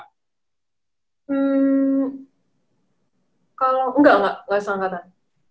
hmm enggak gak gak seangkatan